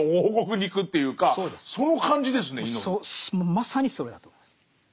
まさにそれだと思うんです。